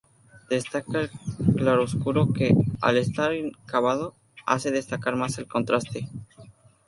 Destaca el claroscuro que, al estar inacabado, hace destacar más el contraste.